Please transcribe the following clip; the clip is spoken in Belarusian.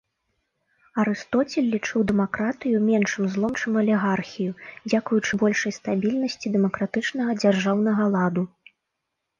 Арыстоцель лічыў дэмакратыю меншым злом, чым алігархію, дзякуючы большай стабільнасці дэмакратычнага дзяржаўнага ладу.